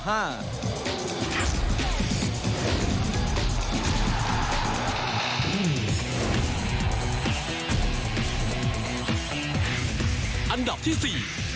อันดับที่๔